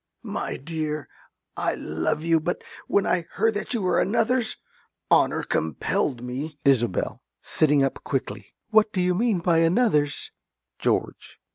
~ My dear, I love you! But when I heard that you were another's, honour compelled me ~Isobel~ (sitting up quickly). What do you mean by another's? ~George.